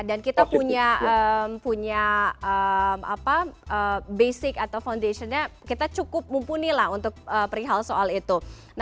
dan kita punya basic atau foundationnya kita cukup mumpuni untuk perihal soal itu